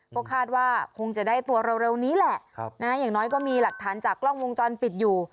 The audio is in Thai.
ก็คาดว่าคงจะได้ตัวเร็วนี้แหละอย่างน้อยก็มีหลักฐานจากกล้องวงจรปิดอยู่